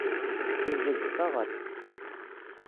Yeẓẓeg-d taɣaḍt.